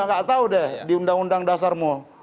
nggak tahu deh di undang undang dasarmu